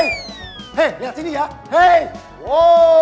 lagi lagi komiknya juga